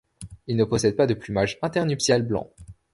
Il ne possède pas de plumage internuptial blanc.